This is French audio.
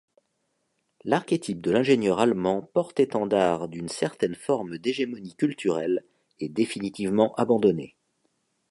L'archétype de l'ingénieur allemand porte-étendard d'une certaine forme d'hégémonie culturelle est définitivement abandonné.